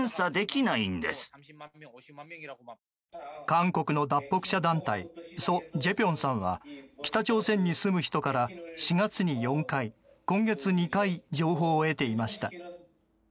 韓国の脱北者団体ソ・ジェピョンさんは北朝鮮に住む人から４月に４回今月２回、情報を得ていました。